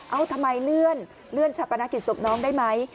เอาทำไมเลื่อนชะปนกิจศพน้องได้ไหม